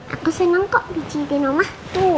aku seneng kok di cipin omah